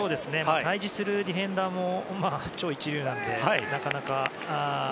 対峙するディフェンダーも超一流なので、なかなかね。